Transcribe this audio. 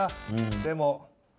でも。